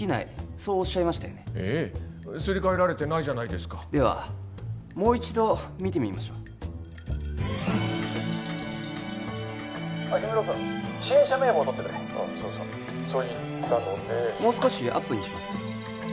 そうおっしゃいましたよねええすり替えられてないじゃないですかではもう一度見てみましょう氷室君支援者名簿を取ってくれそうそうそう言ったのでもう少しアップにしますね